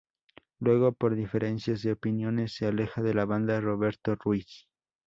Luego por diferencias de opiniones se aleja de la banda Roberto Ruiz.